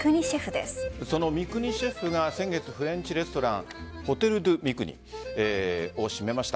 その三國シェフが先月、フレンチレストランオテル・ドゥ・ミクニを閉めました。